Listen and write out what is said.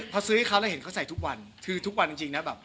พอซื้อให้เขาแล้วเห็นเขาใส่ทุกวัน